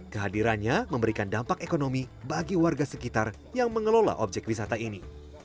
kehadirannya memberikan dampak ekonomi bagi warga sekitar yang mengelola objek wisata ini